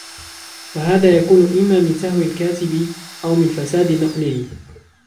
وَهَذَا يَكُونُ إمَّا مِنْ سَهْوِ الْكَاتِبِ أَوْ مِنْ فَسَادِ نَقْلِهِ